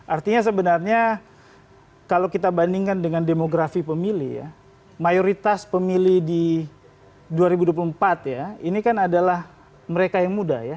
artinya sebenarnya kalau kita bandingkan dengan demografi pemilih ya mayoritas pemilih di dua ribu dua puluh empat ya ini kan adalah mereka yang muda ya